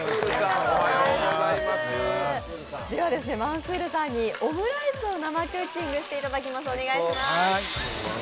マンスールさんにオムライスを生クッキングしていただきます。